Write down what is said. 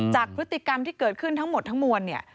จากพฤติกรรมที่เกิดขึ้นทั้งหมดทั้งมวลเนี่ย